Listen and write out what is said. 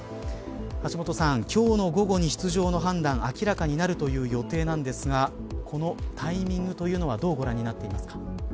橋下さん、今日の午後に出場の判断、明らかなるという予定なんですがこのタイミングというのはどうご覧になっていますか。